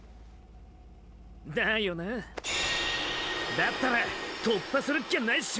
だったら突破するっきゃないっショ！